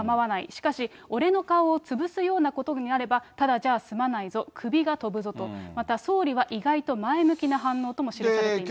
しかし、俺の顔を潰すようなことになれば、ただじゃあ済まないぞ、首が飛ぶぞと、また、総理は意外と前向きな反応とも記されています。